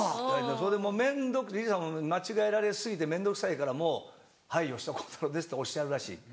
それでリリーさんも間違えられ過ぎて面倒くさいからもう「はい吉田鋼太郎です」っておっしゃるらしい。